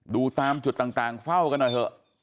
ดูตามจุดต่างเฝ้ากันหน่อยเถอะ